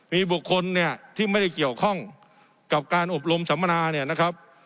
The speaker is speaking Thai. มีบุคคลเนี่ยที่ไม่ได้เกี่ยวข้องกับการอบรมสัมมนาเนี่ยนะครับ